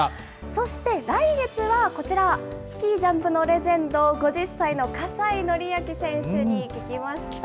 そして、来月はこちら、スキージャンプのレジェンド、５０歳の葛西紀明選手に聞きました。